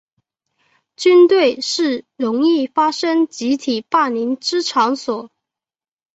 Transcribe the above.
军队是容易发生集体霸凌之场所。